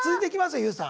ＹＯＵさん。